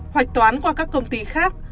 hoạch toán qua các công ty khác